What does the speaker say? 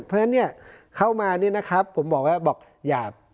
เพราะฉะนั้่นเข้ามาผมบอกอะไร